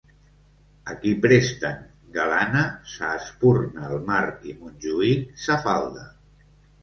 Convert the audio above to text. A qui presten, galana, sa espurna el mar i Montjuïc sa falda.